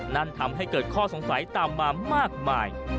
นั่นทำให้เกิดข้อสงสัยตามมามากมาย